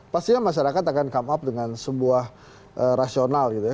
pasti masyarakat akan come up dengan sebuah rasional gitu ya